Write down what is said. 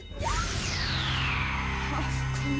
tolong jangan lepaskan